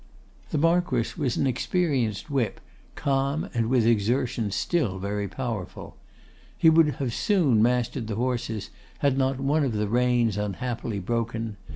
The Marquess was an experienced whip, calm, and with exertion still very powerful. He would have soon mastered the horses, had not one of the reins unhappily broken.